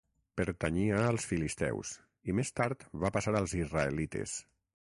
Pertanyia als filisteus i més tard va passar als israelites.